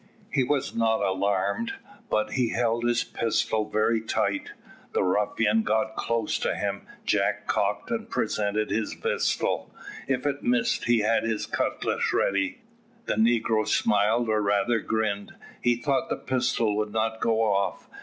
He was not alarmed, but he held his pistol very tight. The ruffian got close to him; Jack cocked and presented his pistol: if it missed he had his cutlass ready. The negro smiled or rather grinned. He thought the pistol would not go off.